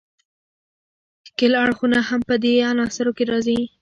ښکیل اړخونه هم په دې عناصرو کې راځي.